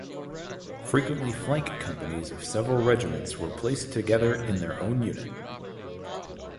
Frequently flank companies of several regiments were placed together in their own unit.